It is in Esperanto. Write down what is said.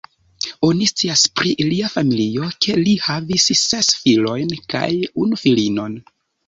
Oni scias pri lia familio, ke li havis ses filojn kaj unu filinon.